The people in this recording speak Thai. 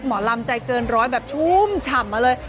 หมอลำใจเกินร้อยแบบชุ่มฉ่ำมาเลย